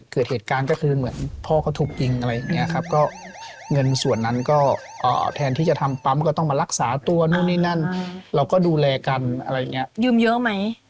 ก็คือให้ด้วยความรักความเชื่อใจ